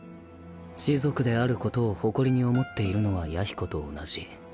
士族であることを誇りに思っているのは弥彦と同じ